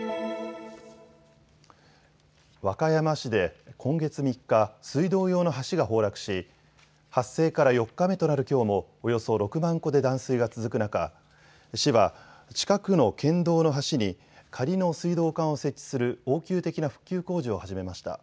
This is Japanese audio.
和歌山市で今月３日、水道用の橋が崩落し発生から４日目となるきょうもおよそ６万戸で断水が続く中、市は近くの県道の橋に仮の水道管を設置する応急的な復旧工事を始めました。